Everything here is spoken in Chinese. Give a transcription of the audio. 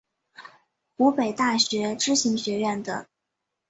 湖北大学知行学院等